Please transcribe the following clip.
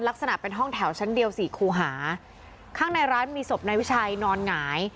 ลักษณะเป็นห้องแถวชั้นเดียวสี่คูหาข้างในร้านมีศพนายวิชัยนอนหงาย